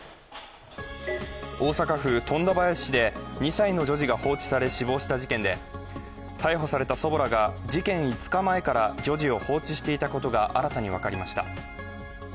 大阪府富田林市で２歳の女児が放置され、死亡した事件で逮捕された祖母らが事件５日前から女児を放置していたことが新たに分かりました。